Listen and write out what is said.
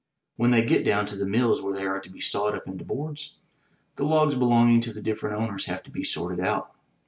When they get down to the mills where they are to be sawed up into boards, the logs belong ing to the different owners have to be sorted out.